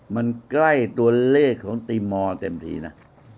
มันใกล้ตัวเลขของตีมอร์เต็มทีนะ